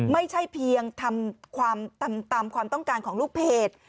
ไม่ใช่เพียงทำความตามความต้องการของลูกเพจ